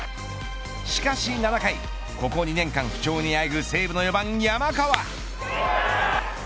しかし７回ここ２年間不調にあえぐ西武の４番山川。